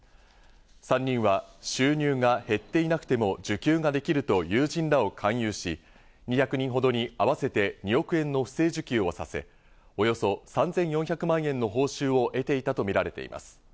３人は収入が減っていなくても受給ができると友人らを勧誘し、２００人ほどに合わせて２億円の不正受給をさせ、およそ３４００万円の報酬を得ていたとみられています。